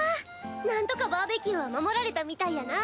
なんとかバーベキューは守られたみたいやな。